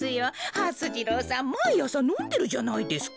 はす次郎さんまいあさのんでるじゃないですか。